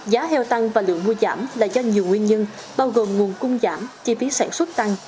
giá heo tăng và lượng mua giảm là do nhiều nguyên nhân bao gồm nguồn cung giảm chi phí sản xuất tăng